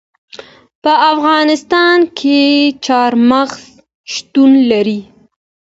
په افغانستان کې چار مغز شتون لري.